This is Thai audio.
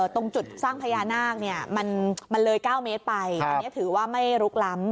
ตรงจุดสร้างพญานาคมันเลย๙เมตรไปอันนี้ถือว่าไม่ลุกล้ำ